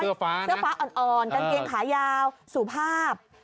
เสื้อฟ้าอ่อนกางเกงขายาวสุภาพ